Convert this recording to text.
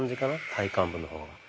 体幹部の方が。